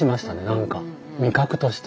何か味覚として。